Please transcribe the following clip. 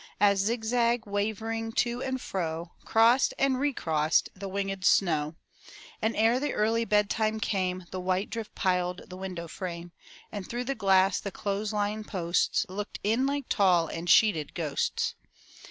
As zig zag, wavering to and fro. Crossed and recrossed the winged snow: And ere the early bedtime came The white drift piled the window frame, And through the glass the clothes line posts Looked in like tall and sheeted ghosts.